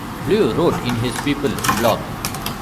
Bleu wrote in his "People" blog.